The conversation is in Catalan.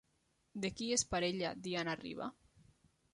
De qui és parella Diana Riba?